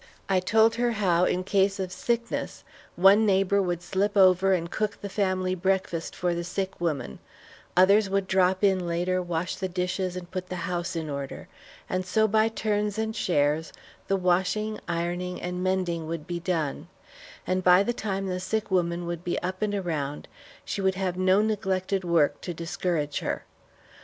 I told her how, in case of sickness, one neighbor would slip over and cook the family breakfast for the sick woman, others would drop in later, wash the dishes, and put the house in order; and so by turns and shares, the washing, ironing, and mending would be done, and by the time the sick woman would be up and around, she would have no neglected work to discourage her.